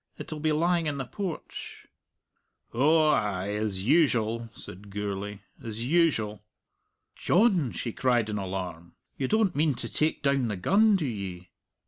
It'll be lying in the porch." "Oh, ay, as usual," said Gourlay "as usual." "John!" she cried in alarm, "you don't mean to take down the gun, do ye?"